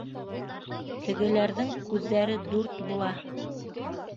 Тегеләрҙең күҙҙәре дүрт була.